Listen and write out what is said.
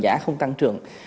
giá không tăng trưởng